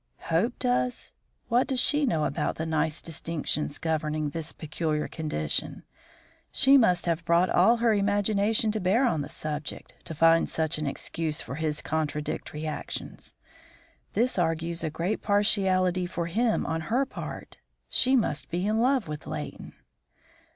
"Hope does? What does she know about the nice distinctions governing this peculiar condition? She must have brought all her imagination to bear on the subject, to find such an excuse for his contradictory actions. This argues a great partiality for him on her part. She must be in love with Leighton."